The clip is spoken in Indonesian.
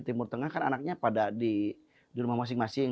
timur tengah kan anaknya pada di rumah masing masing